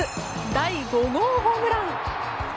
第５号ホームラン！